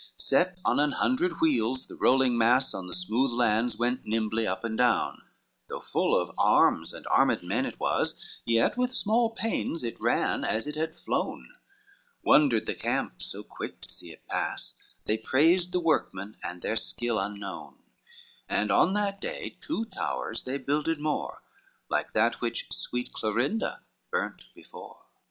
XLV Set on an hundred wheels the rolling mass, On the smooth lands went nimbly up and down, Though full of arms and armed men it was, Yet with small pains it ran, as it had flown: Wondered the camp so quick to see it pass, They praised the workmen and their skill unknown, And on that day two towers they builded more, Like that which sweet Clorinda burned before.